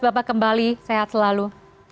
bapak kembali sehat selalu